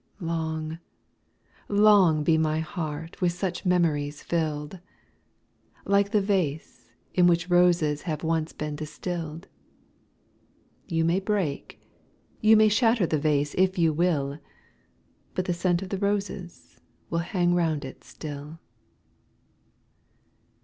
Long, long be my heart with such memories fill'd ! Like the vase, in which roses have once been distill'd — You may break, you may shatter the vase if you will, But the scent of the roses will hang round it still.